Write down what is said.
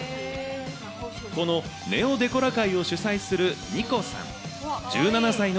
このＮＥＯデコラ会を主催するニコさん。